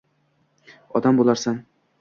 Odam bo’larsan.